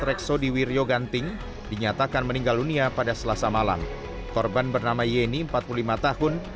reksodi wiryoganting dinyatakan meninggal dunia pada selasa malam korban bernama yeni empat puluh lima tahun